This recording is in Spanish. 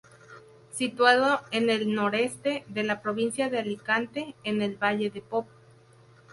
Situado en el noreste de la provincia de Alicante, en el Valle de Pop.